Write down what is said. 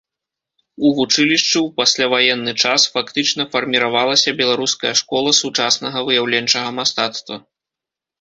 У вучылішчы, у пасляваенны час, фактычна фарміравалася беларуская школа сучаснага выяўленчага мастацтва.